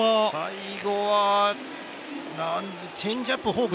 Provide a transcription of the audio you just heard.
最後はチェンジアップフォーク